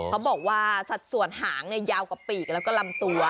เขาบอกว่าสัดส่วนหางยาวกว่าปีกแล้วก็ลำตัว